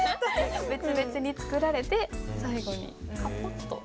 別々に作られて最後にかぽっと。